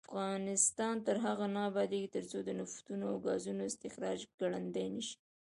افغانستان تر هغو نه ابادیږي، ترڅو د نفتو او ګازو استخراج ګړندی نشي.